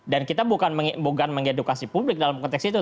dan kita bukan mengedukasi publik dalam konteks itu